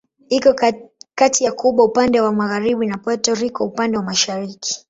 Iko kati ya Kuba upande wa magharibi na Puerto Rico upande wa mashariki.